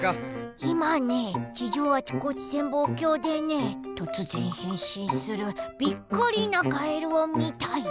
いまね地上あちこち潜望鏡でねとつぜんへんしんするびっくりなカエルをみたよ。